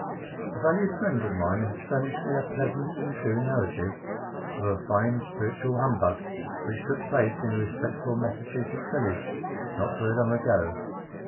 A valued friend of mine has furnished me a pleasant and true narrative of a fine "spiritual" humbug which took place in a respectable Massachusetts village not very long ago.